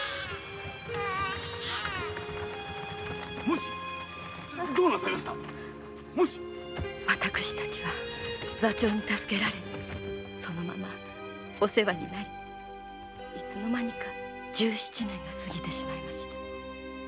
もしどうなされました私たちは座長に助けられそのままお世話になりいつの間にか十七年が過ぎてしまいました。